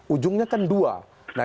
ujungnya kan dua